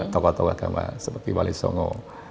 tokoh tokoh agama seperti wali songo